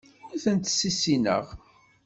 Ur tent-ssissineɣ.